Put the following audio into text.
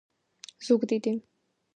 ზუგდიდი